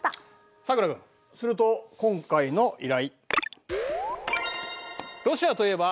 さくら君すると今回の依頼。